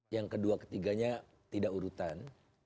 yang kedua ketiganya tidak urutan